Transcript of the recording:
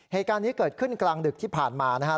เหตุการณ์นี้เกิดขึ้นกลางดึกที่ผ่านมานะครับ